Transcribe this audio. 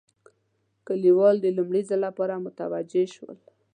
کلیوال د لومړي ځل لپاره متوجه شول.